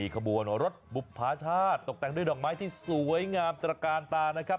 ขบวนแห่ไม่ใช่แห่